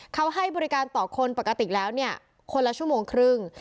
เขาให้บริการต่อคนปกติแล้วเนี่ยคนละชั่วโมงครึ่ง